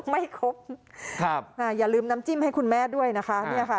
ไม่ครบอย่าลืมน้ำจิ้มให้คุณแม่ด้วยนะคะ